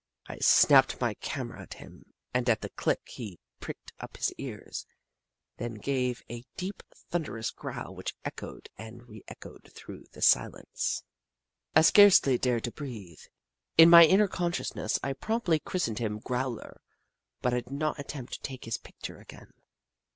I snapped my camera at him, and at the click he pricked up his ears, then gave a deep, thunderous growl which echoed and re echoed through the silence. I scarcely dared to breathe. In my in ner consciousness I promptly christened him " Growler," but I did not attempt to take his picture again.